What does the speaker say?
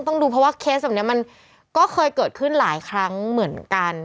ต้องดูเพราะว่าเคสแบบนี้มันก็เคยเกิดขึ้นหลายครั้งเหมือนกัน